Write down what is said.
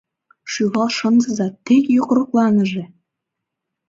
— Шӱвал шындыза, тек йокрокланыже!